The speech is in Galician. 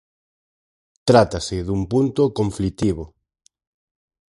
Trátase dun punto conflitivo.